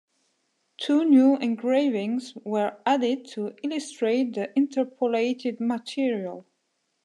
Two new engravings were added to illustrate the interpolated material.